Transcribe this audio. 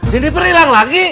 jeniper ilang lagi